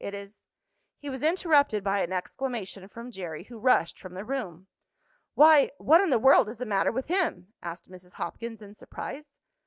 "It is " He was interrupted by an exclamation from Jerry, who rushed from the room. "Why! what in the world is the matter with him?" asked Mrs. Hopkins in surprise.